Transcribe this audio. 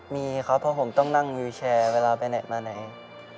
มีครับเพราะผมต้องนั่งวิวแชร์เวลาไปไหนมาไหน